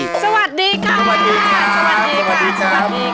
สวัสดีค่ะสวัสดีค่ะสวัสดีค่ะสวัสดีค่ะสวัสดีค่ะสวัสดีค่ะ